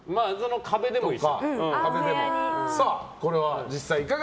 壁でもいいです。